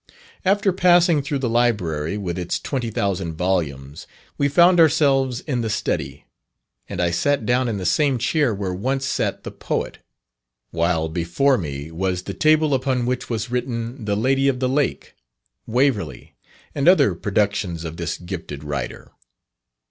After passing through the Library, with its twenty thousand volumes, we found ourselves in the Study, and I sat down in the same chair where once sat the Poet; while before me was the table upon which was written the "Lady of the Lake," "Waverley," and other productions of this gifted writer.